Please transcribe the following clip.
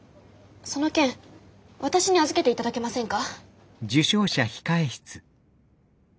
その件私に預けて頂けませんか？